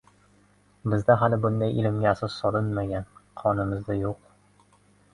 Bizda hali bunday ilmga asos solinmagan, qonimizda yo‘q.